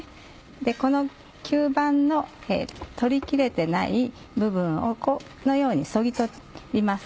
この吸盤の取り切れてない部分をこのようにそぎ取ります。